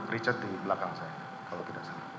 richard di belakang saya kalau tidak salah